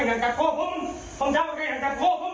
อันนี้คือตอนที่พระลูกอื่นในวัดก็มากันแล้วก็แจ้งตำรวจมากันแล้วนะคะ